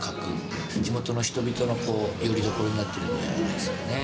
地元の人々のよりどころになってるんじゃないですかね。